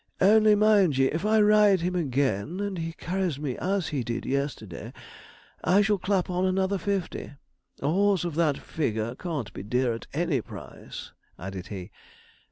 Only mind ye, if I ride him again, and he carries me as he did yesterday, I shall clap on another fifty. A horse of that figure can't be dear at any price,' added he.